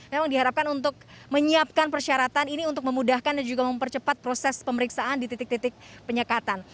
memang diharapkan untuk menyiapkan persyaratan ini untuk memudahkan dan juga mempercepat proses pemeriksaan di titik titik penyekatan